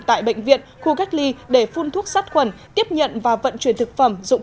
tại bệnh viện khu cách ly để phun thuốc sát khuẩn tiếp nhận và vận chuyển thực phẩm